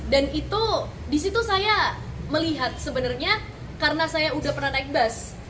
dan itu di situ saya melihat sebenarnya karena saya udah pernah naik bas